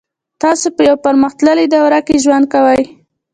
تاسو په یوه پرمختللې دوره کې ژوند کوئ